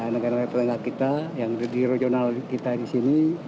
negara negara tetangga kita yang di regional kita di sini